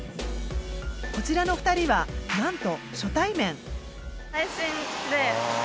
こちらの２人はなんと。